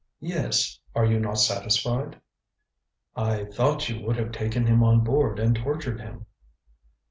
"Yes. Are you not satisfied?" "I thought you would have taken him on board and tortured him."